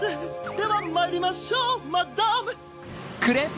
ではまいりましょうマダム！